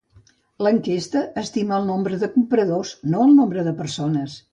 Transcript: L'enquesta estima el nombre de compradors, no el nombre de persones.